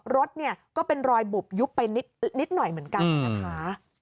รถเนี่ยก็เป็นรอยบุบยุบไปนิดหน่อยเหมือนกันนะคะ